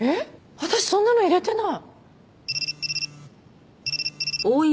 私そんなの入れてない。